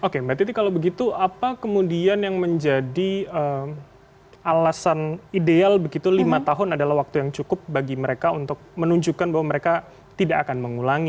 oke mbak titi kalau begitu apa kemudian yang menjadi alasan ideal begitu lima tahun adalah waktu yang cukup bagi mereka untuk menunjukkan bahwa mereka tidak akan mengulangi